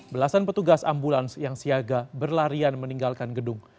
belasan petugas ambulans yang siaga berlarian meninggalkan gedung